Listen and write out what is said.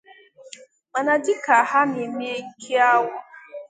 Mana dịka ha na-eme nke ahụ